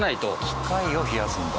機械を冷やすんだ。